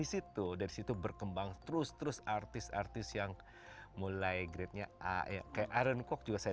itu dari situ berkembang terus terus artis artis yang mulai grade nya kayak aaron cook juga saya